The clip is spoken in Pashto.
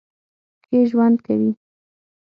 کښې ژؤند کوي